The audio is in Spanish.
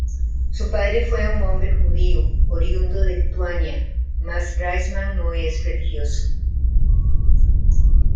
Su padre fue un hombre judío oriundo de Lituania mas Raisman no es religioso.